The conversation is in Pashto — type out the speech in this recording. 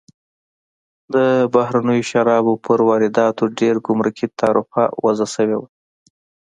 د بهرنیو شرابو پر وارداتو ډېر ګمرکي تعرفه وضع شوې وه.